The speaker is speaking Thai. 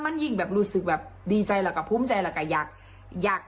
มันยิ่งรู้สึกดีใจแล้วกับภูมิใจแล้วกับอยาก